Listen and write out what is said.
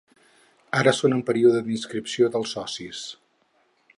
Ara són en període d’inscripció dels socis.